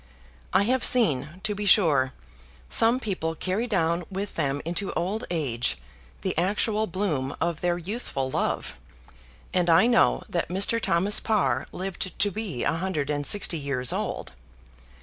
I have seen, to be sure, some people carry down with them into old age the actual bloom of their youthful love, and I know that Mr. Thomas Parr lived to be a hundred and sixty years old.